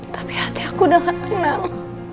tapi hati aku udah gak tenang